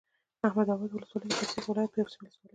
احمداباد ولسوالۍ د پکتيا ولايت یوه ولسوالی ده